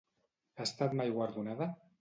Ha estat mai guardonada?